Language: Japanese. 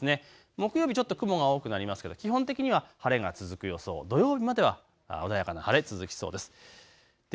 木曜日ちょっと雲が多くなりますが基本的には晴れが続く予想、土曜日までは穏やかな晴れ、続きそうです。